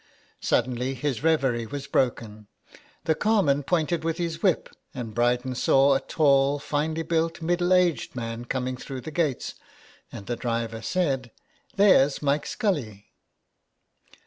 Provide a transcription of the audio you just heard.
Suddenly his reverie was broken : the carman pointed with his whip, and Bryden saw a tall, finely built, middle aged man coming through the gates, and the driver said :'' There's Mike Scully."